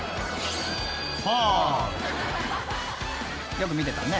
よく見てたね］